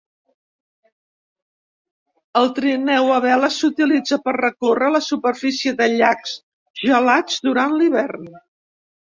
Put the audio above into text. El trineu a vela s'utilitza per recórrer la superfície de llacs gelats durant l'hivern.